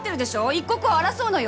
一刻を争うのよ？